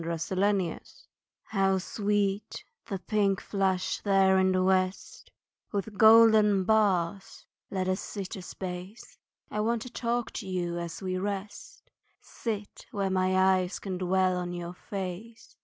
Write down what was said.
A Sunset Talk How sweet the pink flush there in the west, With the golden bars let us sit a space I want to talk to you as we rest Sit where my eyes can dwell on your face.